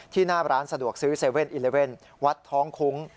หน้าร้านสะดวกซื้อ๗๑๑วัดท้องคุ้ง